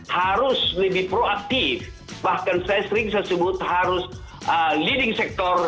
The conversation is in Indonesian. harus lebih proaktif bahkan sesering tersebut harus leading sektor